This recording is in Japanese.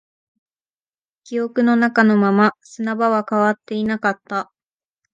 記憶の中のまま、砂場は変わっていなかった